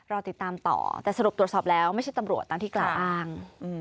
รอติดตามต่อแต่สรุปตรวจสอบแล้วไม่ใช่ตำรวจตามที่กล่าวอ้าง